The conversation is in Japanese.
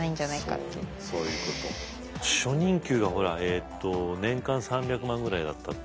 初任給がほらえっと年間３００万ぐらいだった小学校の教師が。